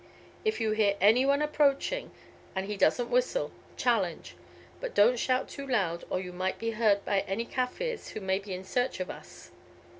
If you hear any one approaching, and he doesn't whistle, challenge, but don't shout too loud, or you might be heard by any Kaffirs who may be in search of us.